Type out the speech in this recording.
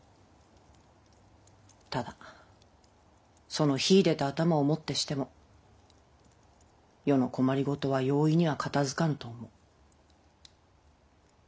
ただその秀でた頭をもってしても世の困りごとは容易には片づかぬと思う。